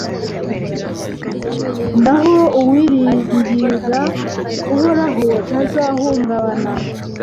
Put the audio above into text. naho uwiringira Uhoraho ntazahungabana